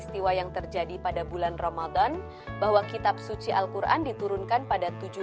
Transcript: sejumlah sumber juga menyebutkan bahwa bung karno sudah merencanakan proklamasi kemerdekaan pada tujuh belas agustus seribu delapan ratus empat puluh